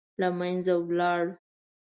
له منځه ولاړ.